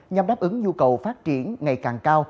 nhằm đáp ứng nhu cầu phát triển ngày càng cao